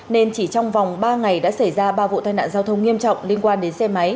nên chỉ trong vòng ba ngày đã xảy ra ba vụ tai nạn giao thông nghiêm trọng liên quan đến xe máy